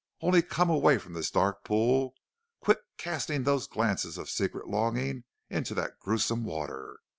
Only come away from this dark pool; quit casting those glances of secret longing into that gruesome water.